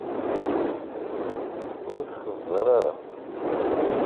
Ur t-xeẓẓer ara!